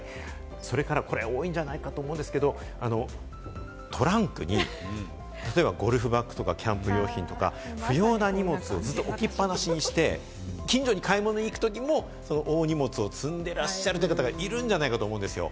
それから、これ多いんじゃないかと思うんですけれども、トランクに例えばゴルフバッグとか、キャンプ用品とか、不要な荷物をずっと置きっぱなしにして、近所に買い物に行くときも大荷物を積んでらっしゃるという方いるんじゃないかと思うんですよ。